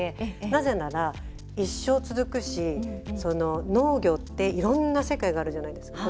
なぜなら、一生続くし農業っていろんな世界あるじゃないですか。